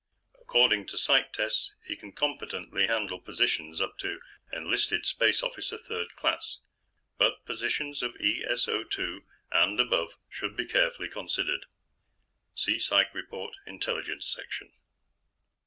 According to psych tests, he can competently handle positions up to Enlisted Space Officer 3rd Class, but positions of ESO/2 and above should be carefully considered. (See Psych Rept. Intelligence Sectn.)"